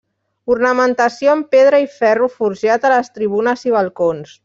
Ornamentació amb pedra i ferro forjat a les tribunes i balcons.